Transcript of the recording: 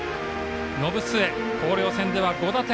延末、広陵戦では５打点。